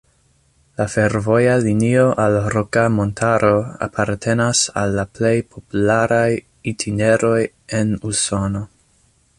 La fervoja linio al Roka Montaro apartenas al la plej popularaj itineroj en Usono.